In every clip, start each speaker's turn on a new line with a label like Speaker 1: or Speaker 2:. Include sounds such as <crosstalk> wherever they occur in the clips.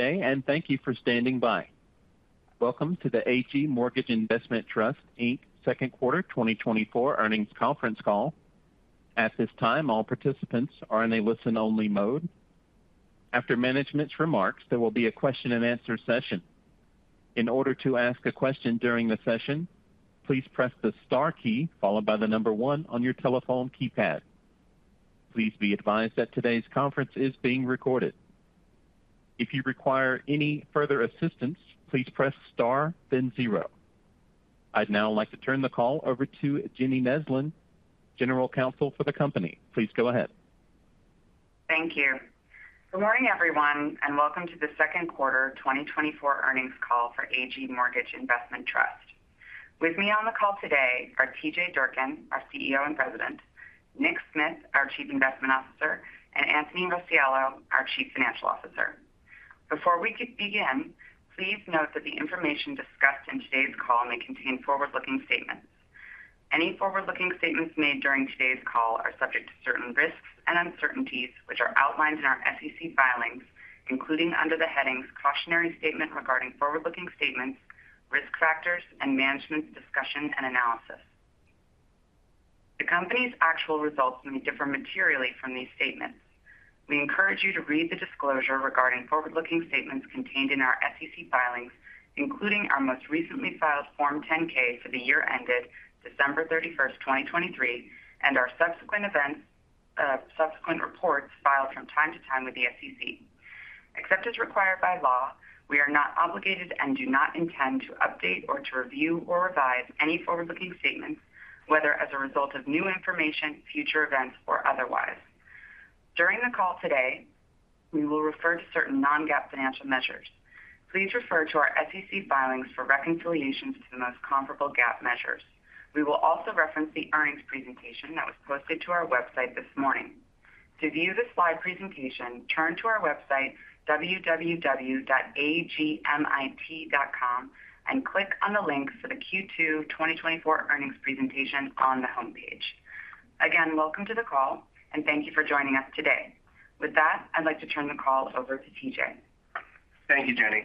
Speaker 1: Good day, and thank you for standing by. Welcome to the AG Mortgage Investment Trust, Inc, Second Quarter 2024 Earnings Conference Call. At this time, all participants are in a listen-only mode. After management's remarks, there will be a question and answer session. In order to ask a question during the session, please press the star key, followed by the number one on your telephone keypad. Please be advised that today's conference is being recorded. If you require any further assistance, please press star, then zero. I'd now like to turn the call over to Jenny Neslin, General Counsel for the company. Please go ahead.
Speaker 2: Thank you. Good morning, everyone, and welcome to the second quarter 2024 Earnings Call for AG Mortgage Investment Trust. With me on the call today are T.J. Durkin, our CEO and President, Nick Smith, our Chief Investment Officer, and Anthony Rossiello, our Chief Financial Officer. Before we could begin, please note that the information discussed in today's call may contain forward-looking statements. Any forward-looking statements made during today's call are subject to certain risks and uncertainties, which are outlined in our SEC filings, including under the headings, "Cautionary Statement regarding forward-looking statements, Risk Factors, and Management's Discussion and Analysis. The company's actual results may differ materially from these statements. We encourage you to read the disclosure regarding forward-looking statements contained in our SEC filings, including our most recently filed Form 10-K for the year ended December 31, 2023, and our subsequent events, subsequent reports filed from time to time with the SEC. Except as required by law, we are not obligated and do not intend to update or to review or revise any forward-looking statements, whether as a result of new information, future events, or otherwise. During the call today, we will refer to certain non-GAAP financial measures. Please refer to our SEC filings for reconciliations to the most comparable GAAP measures. We will also reference the earnings presentation that was posted to our website this morning. To view the slide presentation, turn to our website, www.agmit.com, and click on the link for the Q2 2024 earnings presentation on the homepage. Again, welcome to the call, and thank you for joining us today. With that, I'd like to turn the call over to T.J.
Speaker 3: Thank you, Jenny.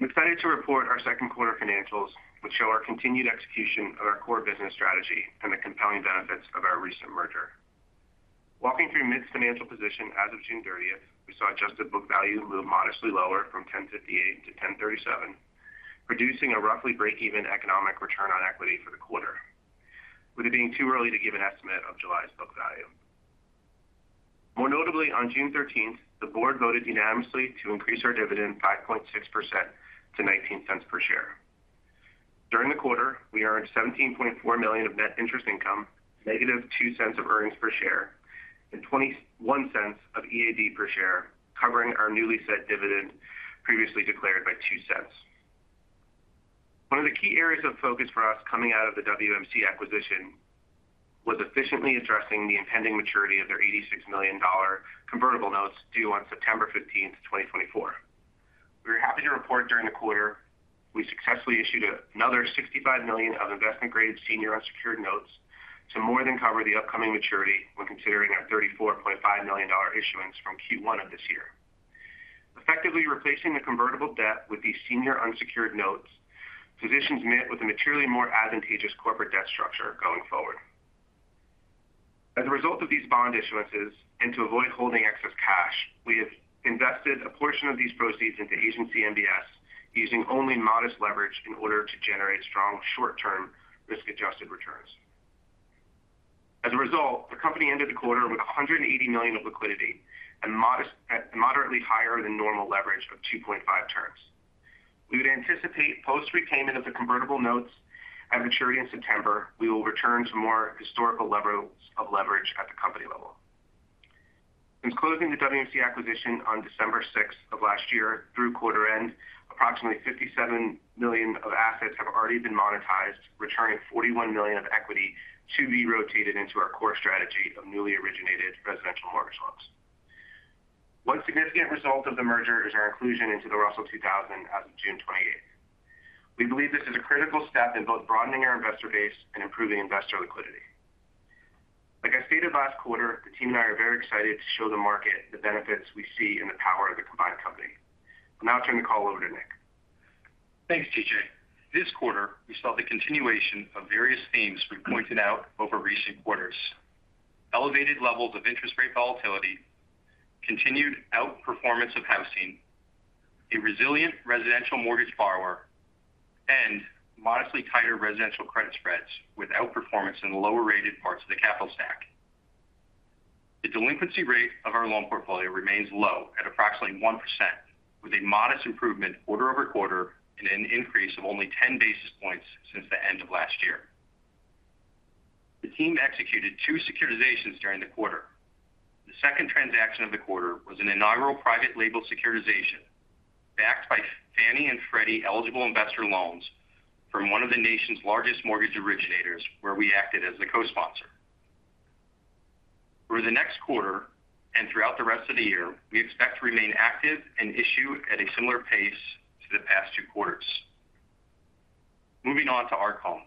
Speaker 3: I'm excited to report our second quarter financials, which show our continued execution of our core business strategy and the compelling benefits of our recent merger. Walking through our financial position as of June thirtieth, we saw adjusted book value move modestly lower from $10.58 to $10.37, producing a roughly break-even economic return on equity for the quarter, with it being too early to give an estimate of July's book value. More notably, on June thirteenth, the board voted unanimously to increase our dividend 5.6%-$0.19 per share. During the quarter, we earned $17.4 million of net interest income, -$0.02 of earnings per share, and $0.21 of EAD per share, covering our newly set dividend, previously declared by $0.02. One of the key areas of focus for us coming out of the WMC acquisition was efficiently addressing the impending maturity of their $86 million convertible notes due on September 15th, 2024. We are happy to report during the quarter, we successfully issued another $65 million of investment-grade senior unsecured notes to more than cover the upcoming maturity when considering our $34.5 million issuance from Q1 of this year. Effectively replacing the convertible debt with these senior unsecured notes, positions MIT with a materially more advantageous corporate debt structure going forward. As a result of these bond issuances and to avoid holding excess cash, we have invested a portion of these proceeds into Agency MBS, using only modest leverage in order to generate strong short-term risk-adjusted returns. As a result, the company ended the quarter with $180 million of liquidity and modest, at moderately higher than normal leverage of 2.5 turns. We would anticipate post repayment of the convertible notes at maturity in September, we will return to more historical levels of leverage at the company level. In closing the WMC acquisition on December 6 of last year through quarter end, approximately $57 million of assets have already been monetized, returning $41 million of equity to be rotated into our core strategy of newly originated residential mortgage loans. One significant result of the merger is our inclusion into the Russell 2000 as of June 28. We believe this is a critical step in both broadening our investor base and improving investor liquidity. Like I stated last quarter, the team and I are very excited to show the market the benefits we see in the power of the combined company. I'll now turn the call over to Nick.
Speaker 4: Thanks, T.J. This quarter, we saw the continuation of various themes we pointed out over recent quarters. Elevated levels of interest rate volatility, continued outperformance of housing, a resilient residential mortgage borrower, and modestly tighter residential credit spreads with outperformance in lower-rated parts of the capital stack. The delinquency rate of our loan portfolio remains low at approximately 1%, with a modest improvement quarter-over-quarter and an increase of only ten basis points since the end of last year. The team executed two securitizations during the quarter. The second transaction of the quarter was an inaugural private label securitization backed by Fannie and Freddie eligible investor loans from one of the nation's largest mortgage originators, where we acted as the co-sponsor. For the next quarter and throughout the rest of the year, we expect to remain active and issue at a similar pace to the past two quarters. Moving on to Arc Home.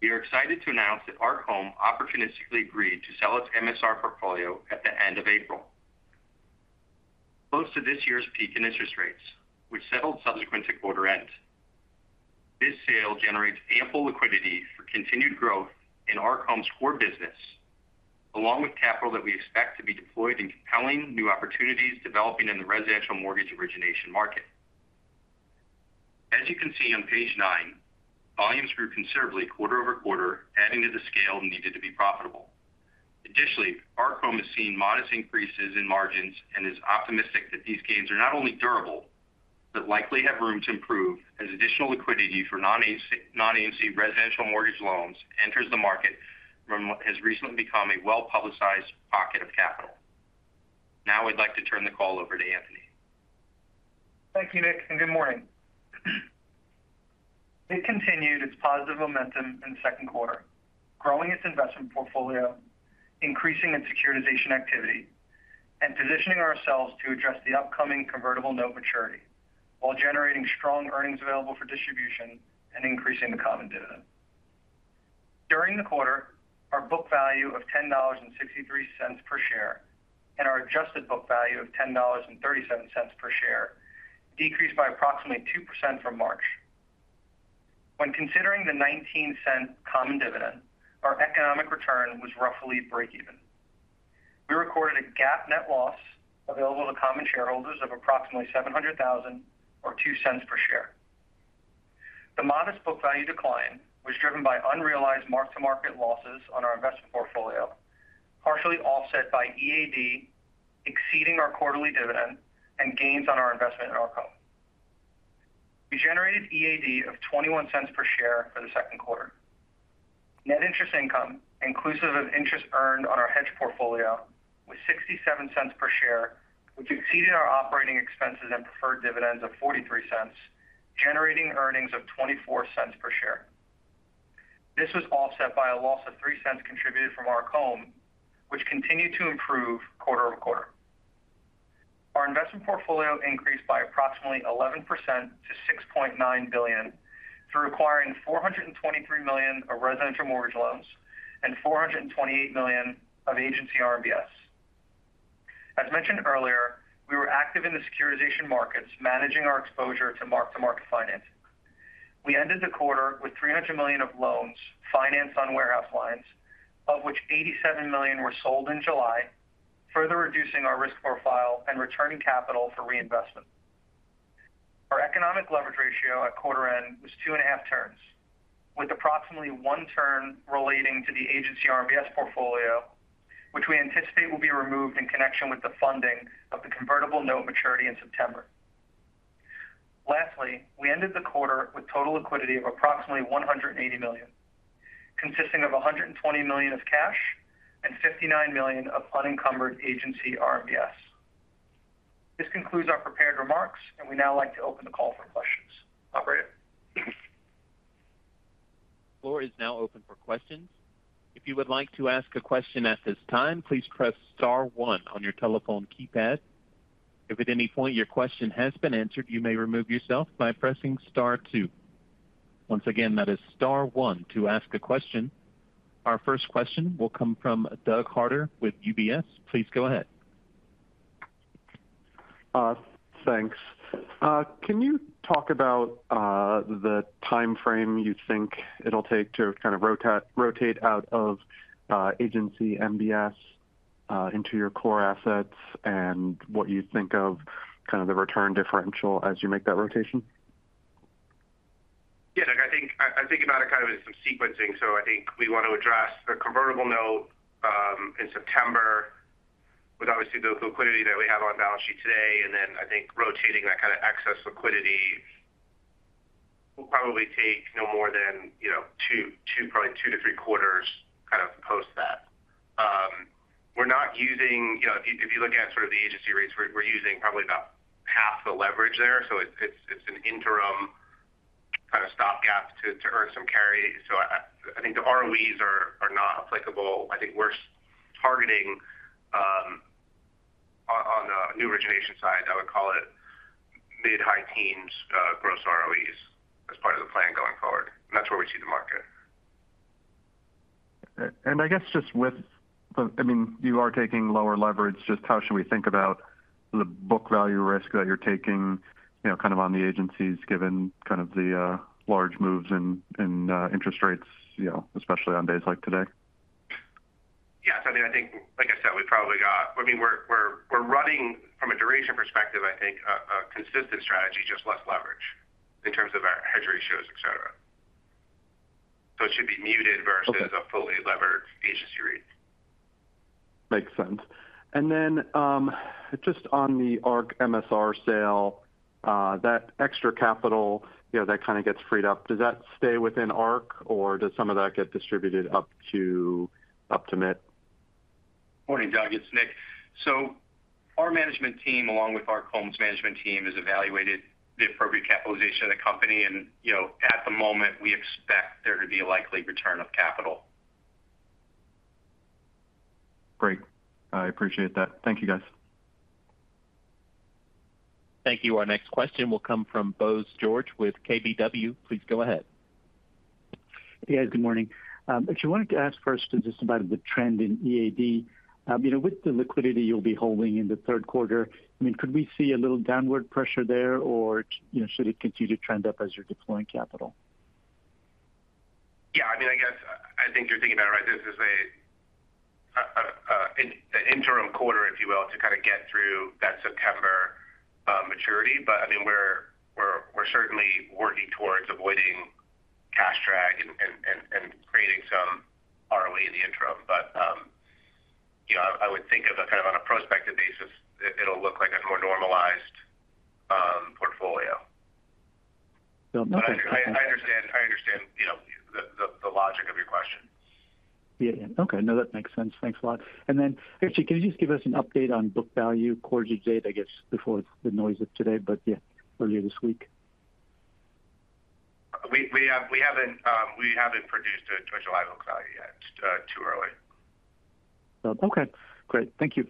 Speaker 4: We are excited to announce that Arc Home opportunistically agreed to sell its MSR portfolio at the end of April close to this year's peak in interest rates, which settled subsequent to quarter end. This sale generates ample liquidity for continued growth in Arc Home's core business, along with capital that we expect to be deployed in compelling new opportunities developing in the residential mortgage origination market. As you can see on page nine, volumes grew considerably quarter-over-quarter, adding to the scale needed to be profitable. Additionally, Arc Home has seen modest increases in margins and is optimistic that these gains are not only durable, but likely have room to improve as additional liquidity for non-agency non-AMC residential mortgage loans enters the market from what has recently become a well-publicized pocket of capital. Now I'd like to turn the call over to Anthony.
Speaker 5: Thank you, Nick, and good morning. MIT continued to a positive momentum in the second quarter, growing its investment portfolio, increasing its securitization activity, and positioning ourselves to address the upcoming convertible note maturity, while generating strong earnings available for distribution and increasing the common dividend. During the quarter, our book value of $10.63 per share and our adjusted book value of $10.37 per share decreased by approximately 2% from March. When considering the $0.19 common dividend, our economic return was roughly breakeven. We recorded a GAAP net loss available to common shareholders of approximately $700,000 or $0.02 per share. The modest book value decline was driven by unrealized mark-to-market losses on our investment portfolio, partially offset by EAD exceeding our quarterly dividend and gains on our investment in Arc Home. We generated EAD of $0.21 per share for the second quarter. Net interest income, inclusive of interest earned on our hedge portfolio, was $0.67 per share, which exceeded our operating expenses and preferred dividends of $0.43, generating earnings of $0.24 per share. This was offset by a loss of $0.03 contributed from Arc Home, which continued to improve quarter-over-quarter. Our investment portfolio increased by approximately 11%-$6.9 billion, through acquiring $423 million of residential mortgage loans and $428 million of agency RMBS. As mentioned earlier, we were active in the securitization markets, managing our exposure to mark-to-market financing. We ended the quarter with $300 million of loans financed on warehouse lines, of which $87 million were sold in July, further reducing our risk profile and returning capital for reinvestment. Our economic leverage ratio at quarter end was 2.5 turns, with approximately 1 turn relating to the agency RMBS portfolio, which we anticipate will be removed in connection with the funding of the convertible note maturity in September. Lastly, we ended the quarter with total liquidity of approximately $180 million, consisting of $120 million of cash and $59 million of unencumbered agency RMBS. This concludes our prepared remarks, and we'd now like to open the call for questions. Operator?
Speaker 1: Floor is now open for questions. If you would like to ask a question at this time, please press star one on your telephone keypad. If at any point your question has been answered, you may remove yourself by pressing star two. Once again, that is star one to ask a question. Our first question will come from Doug Carter with UBS. Please go ahead.
Speaker 6: Thanks. Can you talk about the time frame you think it'll take to kind of rotate out of Agency MBS into your core assets and what you think of kind of the return differential as you make that rotation?
Speaker 5: Yeah, Doug, I think about it kind of as some sequencing. So I think we want to address the convertible note in September with obviously the liquidity that we have on our balance sheet today, and then I think rotating that kind of excess liquidity will probably take no more than, you know, two to three quarters kind of post that. We're not using... You know, if you look at sort of the agency rates, we're using probably about half the leverage there, so it's an interim kind of stopgap to earn some carry. So I think the ROEs are not applicable. I think we're targeting on the new origination side, I would call it mid-high teens gross ROEs as part of the plan going forward, and that's where we see the market.
Speaker 6: And I guess just with the, I mean, you are taking lower leverage. Just how should we think about the book value risk that you're taking, you know, kind of on the agencies, given kind of the large moves in interest rates, you know, especially on days like today?
Speaker 5: Yeah. So I mean, I think, like I said, we've probably got, I mean, we're running from a duration perspective, I think, a consistent strategy, just less leverage in terms of our hedge ratios, et cetera. So it should be muted versus-
Speaker 6: Okay.
Speaker 5: a fully levered agency rate.
Speaker 6: Makes sense. And then, just on the Arc MSR sale, that extra capital, you know, that kind of gets freed up, does that stay within Arc, or does some of that get distributed up to, up to Mitt?
Speaker 4: Morning, Doug, it's Nick. Our management team, along with Arc Home's management team, has evaluated the appropriate capitalization of the company, and, you know, at the moment, we expect there to be a likely return of capital....
Speaker 6: Great. I appreciate that. Thank you, guys.
Speaker 1: Thank you. Our next question will come from Bose George with KBW. Please go ahead.
Speaker 7: Hey, guys, good morning. Actually, wanted to ask first just about the trend in EAD. You know, with the liquidity you'll be holding in the third quarter, I mean, could we see a little downward pressure there? Or, you know, should it continue to trend up as you're deploying capital?
Speaker 4: Yeah, I mean, I guess, I think you're thinking about it, right. This is an interim quarter, if you will, to kind of get through that September maturity. But, I mean, we're certainly working towards avoiding cash drag and creating some ROE in the interim. But, you know, I would think of it kind of on a prospective basis, it, it'll look like a more normalized portfolio. <crosstalk> I understand, you know, the logic of your question.
Speaker 7: Yeah. Yeah. Okay. No, that makes sense. Thanks a lot. And then actually, can you just give us an update on book value, for AG, I guess, before the noise of today, but yeah, earlier this week?
Speaker 4: We haven't produced a July book value yet. It's too early.
Speaker 7: Okay, great. Thank you.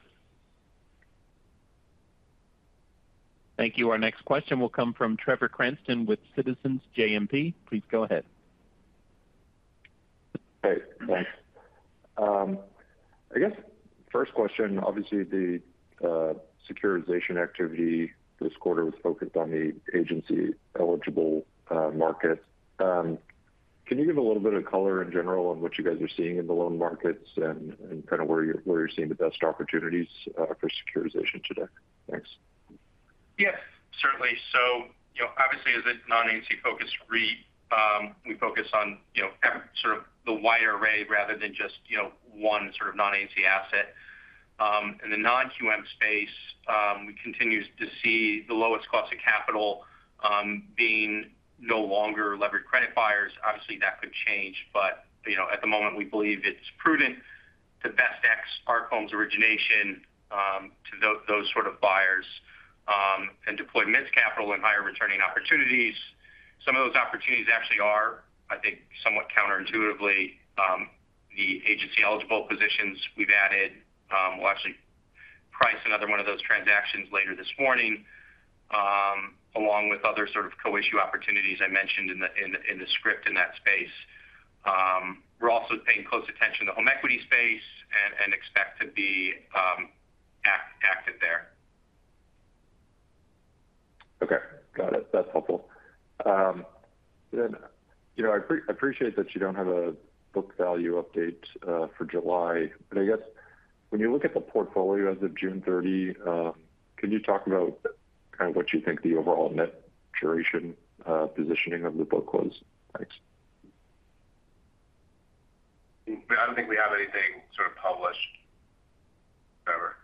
Speaker 1: Thank you. Our next question will come from Trevor Cranston with Citizens JMP. Please go ahead.
Speaker 8: Hey, thanks. I guess first question, obviously, the securitization activity this quarter was focused on the agency-eligible markets. Can you give a little bit of color in general on what you guys are seeing in the loan markets and kind of where you're seeing the best opportunities for securitization today? Thanks.
Speaker 4: Yes, certainly. So, you know, obviously, as a non-agency-focused REIT, we focus on, you know, sort of the wide array rather than just, you know, one sort of non-agency asset. In the non-QM space, we continue to see the lowest cost of capital being unlevered credit buyers. Obviously, that could change, but, you know, at the moment, we believe it's prudent to best direct our Arc Home's origination to those sort of buyers, and deploy our capital in higher returning opportunities. Some of those opportunities actually are, I think, somewhat counterintuitively, the agency-eligible positions we've added. We'll actually price another one of those transactions later this morning, along with other sort of co-issue opportunities I mentioned in the script in that space. We're also paying close attention to home equity space and expect to be active there.
Speaker 8: Okay, got it. That's helpful. You know, I appreciate that you don't have a book value update for July, but I guess when you look at the portfolio as of June 30, can you talk about kind of what you think the overall net duration positioning of the book was? Thanks.
Speaker 4: I don't think we have anything sort of published, Trevor.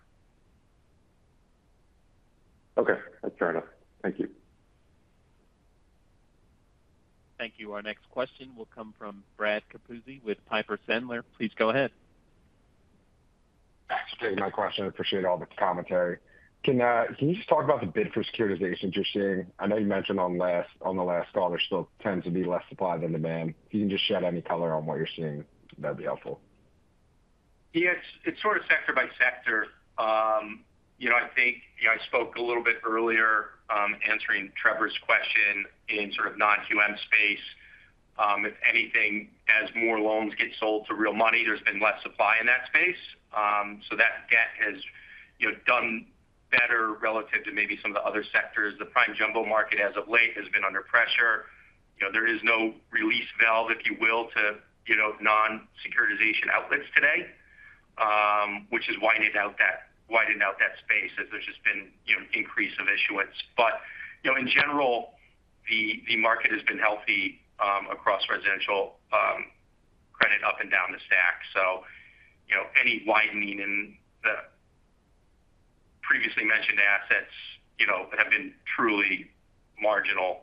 Speaker 8: Okay, that's fair enough. Thank you.
Speaker 1: Thank you. Our next question will come from Brad Capuzzi with Piper Sandler. Please go ahead.
Speaker 9: Thanks for taking my question. I appreciate all the commentary. Can you just talk about the bid for securitizations you're seeing? I know you mentioned on the last call, there still tends to be less supply than demand. If you can just shed any color on what you're seeing, that'd be helpful.
Speaker 4: Yeah, it's, it's sort of sector by sector. You know, I think, you know, I spoke a little bit earlier, answering Trevor's question in sort of non-QM space. If anything, as more loans get sold to real money, there's been less supply in that space. So that debt has, you know, done better relative to maybe some of the other sectors. The prime jumbo market as of late has been under pressure. You know, there is no release valve, if you will, to, you know, non-securitization outlets today, which has widened out that space as there's just been, you know, increase of issuance. But, you know, in general, the market has been healthy, across residential credit up and down the stack. So, you know, any widening in the previously mentioned assets, you know, have been truly marginal,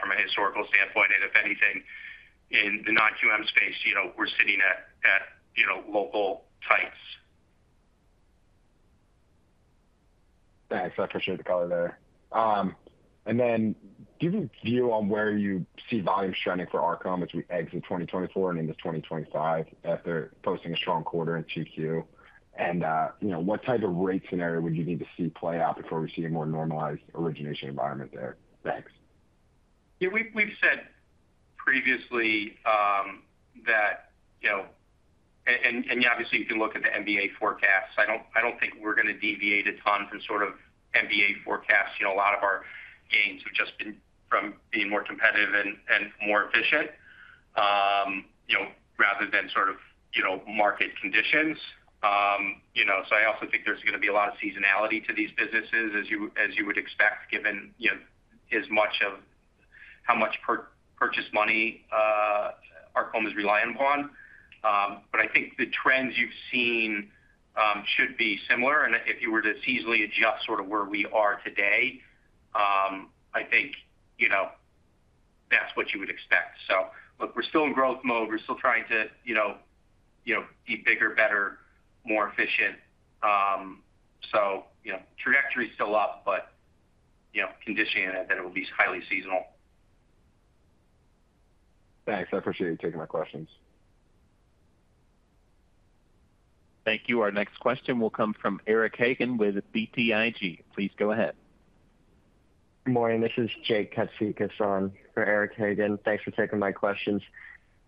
Speaker 4: from a historical standpoint, and if anything, in the non-QM space, you know, we're sitting at local tights.
Speaker 8: Thanks. I appreciate the color there. And then give me a view on where you see volume trending for Arc Home as we exit 2024 and into 2025, after posting a strong quarter in Q2. And, you know, what type of rate scenario would you need to see play out before we see a more normalized origination environment there? Thanks.
Speaker 4: Yeah, we've said previously that, you know, and obviously you can look at the MBA forecasts. I don't think we're going to deviate a ton from sort of MBA forecasts. You know, a lot of our gains have just been from being more competitive and more efficient, you know, rather than sort of, you know, market conditions. You know, so I also think there's going to be a lot of seasonality to these businesses, as you would expect, given, you know, as much of how much purchase money Arc Home is reliant upon. But I think the trends you've seen should be similar, and if you were to seasonally adjust sort of where we are today, I think, you know, that's what you would expect. So look, we're still in growth mode. We're still trying to, you know, you know, be bigger, better, more efficient. So, you know, trajectory is still up, but, you know, conditioning it that it will be highly seasonal.
Speaker 8: Thanks, I appreciate you taking my questions.
Speaker 1: Thank you. Our next question will come from Eric Hagan with BTIG. Please go ahead.
Speaker 10: Good morning, this is Jake Katsikas on for Eric Hagan. Thanks for taking my questions.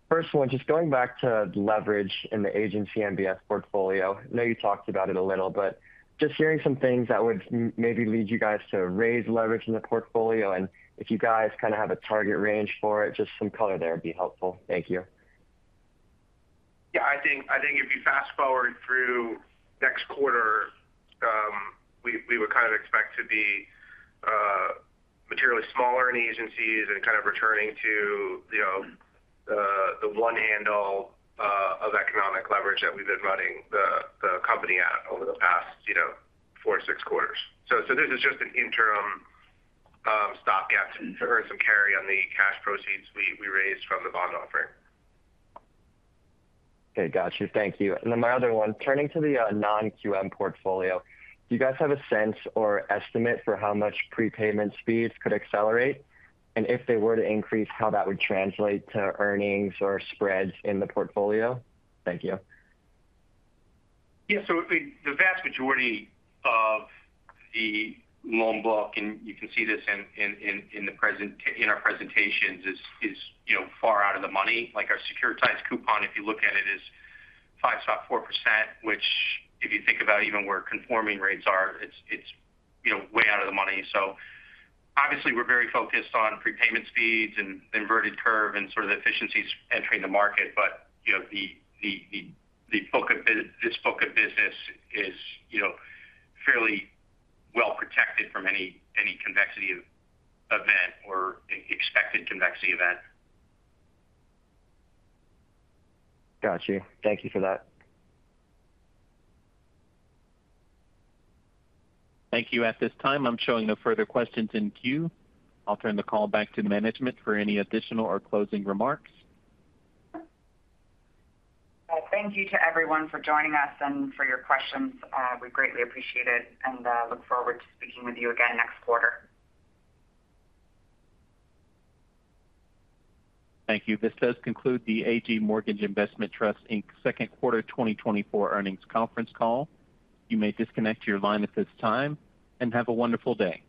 Speaker 10: First one, just going back to leverage in the Agency MBS portfolio. I know you talked about it a little, but just hearing some things that would maybe lead you guys to raise leverage in the portfolio, and if you guys kind of have a target range for it, just some color there would be helpful. Thank you.
Speaker 4: Yeah, I think if you fast-forward through next quarter, we would kind of expect to be materially smaller in agencies and kind of returning to, you know, the 1 handle of economic leverage that we've been running the company at over the past, you know, 4-6 quarters. So this is just an interim stopgap to earn some carry on the cash proceeds we raised from the bond offering.
Speaker 10: Okay, got you. Thank you. And then my other one, turning to the non-QM portfolio, do you guys have a sense or estimate for how much prepayment speeds could accelerate? And if they were to increase, how that would translate to earnings or spreads in the portfolio? Thank you.
Speaker 4: Yeah, so the vast majority of the loan book, and you can see this in our presentations, is, you know, far out of the money. Like, our securitized coupon, if you look at it, is 5.4%, which, if you think about even where conforming rates are, it's, you know, way out of the money. So obviously, we're very focused on prepayment speeds and inverted curve and sort of the efficiencies entering the market. But, you know, the book of business is, you know, fairly well protected from any convexity of event or expected convexity event.
Speaker 10: Got you. Thank you for that.
Speaker 1: Thank you. At this time, I'm showing no further questions in queue. I'll turn the call back to management for any additional or closing remarks.
Speaker 2: Well, thank you to everyone for joining us and for your questions. We greatly appreciate it, and look forward to speaking with you again next quarter.
Speaker 1: Thank you. This does conclude the AG Mortgage Investment Trust, Inc. Second Quarter 2024 Earnings Conference Call. You may disconnect your line at this time, and have a wonderful day.